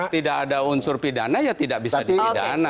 tidak ada unsur pidana ya tidak bisa dipidana